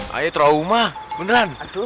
hai trauma beneran aduh